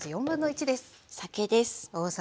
酒です。